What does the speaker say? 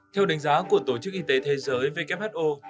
theo đánh giá của tổ chức y tế thế giới who